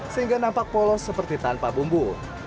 sehingga nampak polos seperti tanpa bumbu